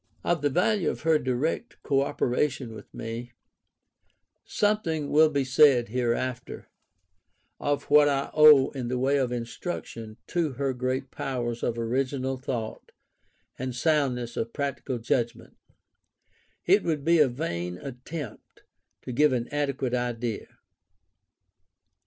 Of the value of her direct cooperation with me, something will be said hereafter, of what I owe in the way of instruction to her great powers of original thought and soundness of practical judgment, it would be a vain attempt to give an adequate idea].